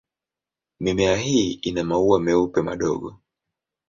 Mimea hii ina maua meupe madogo.